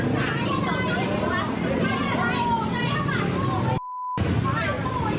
สำมวงวิทยานะมึง